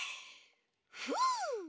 ふう。